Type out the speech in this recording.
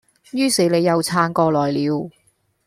於是你又撐過來了